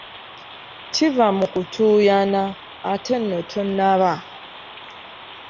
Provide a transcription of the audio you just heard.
Kiva mu kutuuyana ante n'otanaba.